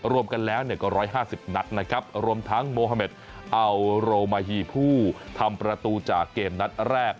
รวมกันแล้วก็๑๕๐นัดนะครับรวมทั้งโมฮาเมดอัลโรมาฮีผู้ทำประตูจากเกมนัดแรก